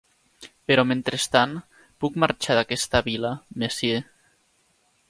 Però mentrestant, puc marxar d'aquesta vil·la, monsieur?